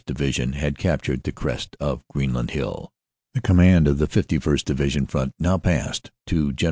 Division had captured the crest of Green land Hiii. : "The command of the 51st. Divisional front now passed to the G.